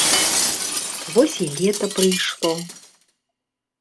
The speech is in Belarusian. Вось і лета прыйшло.